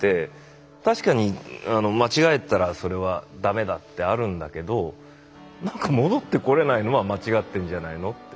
確かに間違えたらそれはダメだってあるんだけどなんか戻ってこれないのは間違ってんじゃないのって。